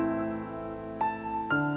gak ada apa apa